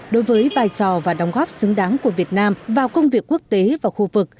đối với vai trò và đóng góp xứng đáng của việt nam vào công việc quốc tế và khu vực